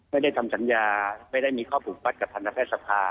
ไม่ได้ทำสัญญาไม่ได้มีข้อผลบัตรกับทันตแพทย์ทรภาพ